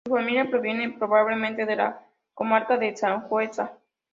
Su familia provenía probablemente de la comarca de Sangüesa.